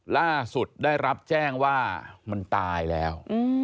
ล่าสุดได้รับแจ้งว่ามันตายแล้ว